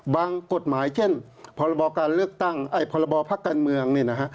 กฎหมายเช่นพรบการเลือกตั้งพรบพักการเมืองเนี่ยนะฮะ